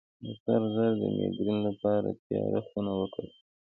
د سر درد د میګرین لپاره تیاره خونه وکاروئ